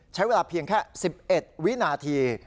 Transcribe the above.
ใช้เวลาเพียงแค่๑๑วินาที